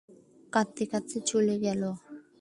কাঁদতে কাঁদতে চলে গেল।